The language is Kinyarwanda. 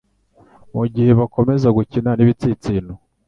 Mugihe bakomeza gukina nibitsinsino